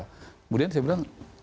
kemudian saya bilang